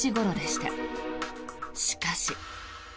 しかし。